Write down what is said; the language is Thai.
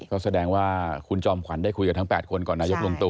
ก่อนค่ะเราก็ได้เจอก่อน